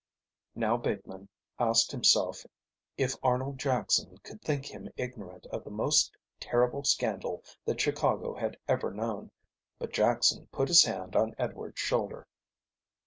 Now Bateman asked himself if Arnold Jackson could think him ignorant of the most terrible scandal that Chicago had ever known. But Jackson put his hand on Edward's shoulder.